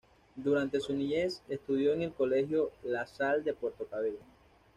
Durante su niñez estudió en el colegio La Salle de Puerto Cabello.